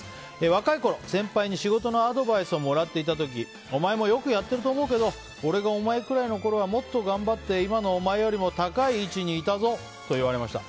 若いころ、先輩に仕事のアドバイスをもらっていた時お前もよくやってると思うけど俺がお前くらいのころはもっと頑張って今のお前よりも高い位置にいたぞと言われました。